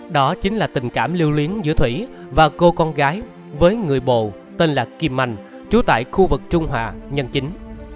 đó chính là tình cảm lưu luyến giữa thủy và cô con gái với người bồ tên là kim anh trú tại khu vực trung hòa nhân chính